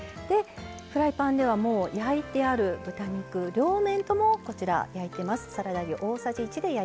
フライパンではもう焼いてある豚肉両面ともこちら焼いてます。